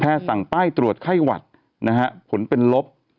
แพทย์สั่งป้ายตรวจไข้หวัดผลเป็นลบ